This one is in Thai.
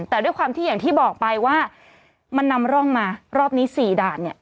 แต่ด้วยความที่อย่างที่บอกไปว่ามันนำร่องมารอบนี้๔ด่านเนี่ย